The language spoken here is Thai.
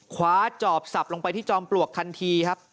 คว้าจอบสับลงไปที่จอมปลวกทันทีครับ